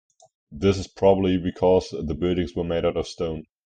This is probably because the buildings were made out of stone.